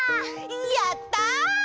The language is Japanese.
やった！